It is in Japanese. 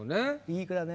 いい句だね。